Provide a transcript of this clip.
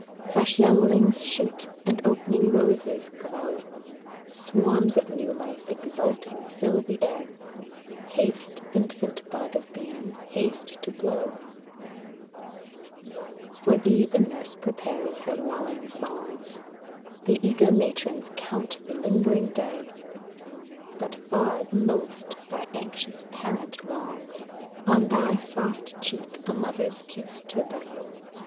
Fresh younghngs shoot, and opening roses glow ! Swarms of new life exulting fill the air, ŌĆö Haste, infant bud of being, haste to blow ! For thee the nurse prepares her luUing songs. The eager matrons count the lingering day ; But far the most thy anxious parent longs On thy soft cheek a mother's kiss to lay.